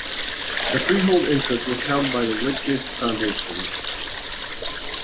The freehold interest was held by the Whitgift Foundation.